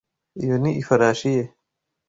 Iyo ni ifarashi ye.